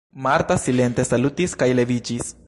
Marta silente salutis kaj leviĝis.